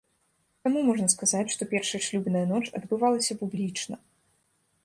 Таму можна сказаць, што першая шлюбная ноч адбывалася публічна.